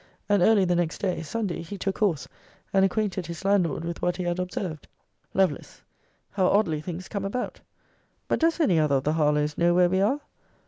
And early the next day, Sunday, he took horse, and acquainted his landlord with what he had observed. Lovel. How oddly things come about! But does any other of the Harlowes know where we are?